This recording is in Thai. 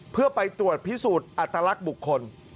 เพื่อไปตรวจพิสูจน์อัตลักษณ์บุคคล